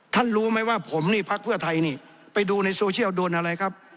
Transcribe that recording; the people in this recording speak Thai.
รู้ไหมว่าผมนี่พักเพื่อไทยนี่ไปดูในโซเชียลโดนอะไรครับ